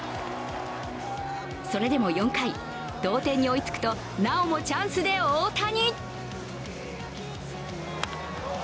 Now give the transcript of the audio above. それでも４回、同点に追いつくとなおもチャンスで大谷。